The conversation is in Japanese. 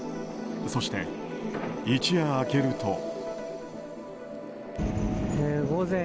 そして一夜明けると。